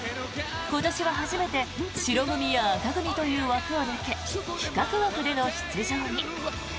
今年は初めて白組や紅組という枠を抜け企画枠での出場に。